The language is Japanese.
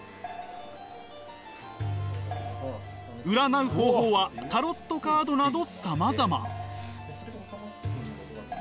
占う方法はタロットカードなどさまざま。